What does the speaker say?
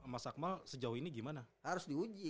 mas akmal sejauh ini gimana harus diuji